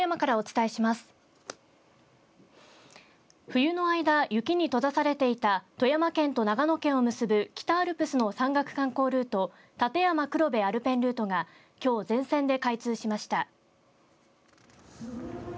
冬の間、雪に閉ざされていた富山県と長野県を結ぶ北アルプスの山岳観光ルート立山黒部アルペンルートがきょう全線で開通しました。